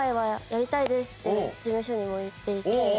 ですって事務所にも言っていて。